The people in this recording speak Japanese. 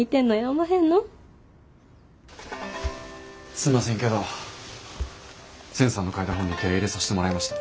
すんませんけど千さんの書いた台本に手ぇ入れさしてもらいました。